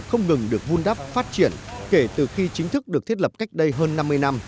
không ngừng được vun đắp phát triển kể từ khi chính thức được thiết lập cách đây hơn năm mươi năm